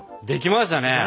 できましたね！